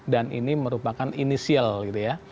dan ini merupakan inisial gitu ya